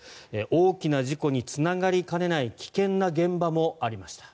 大きな事故につながりかねない危険な現場もありました。